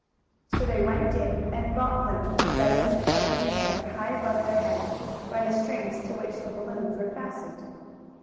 So they went in and bought them, letting them float in the air, high above their heads, by the strings to which the balloons were fastened.